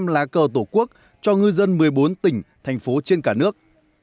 một trăm một mươi ba năm trăm linh lá cờ tổ quốc cho ngư dân một mươi bốn tỉnh thành phố trên cả nước